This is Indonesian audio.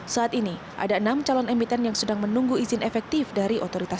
saat ini ada enam calon emiten yang sedang menunggu izin efektif dari otoritas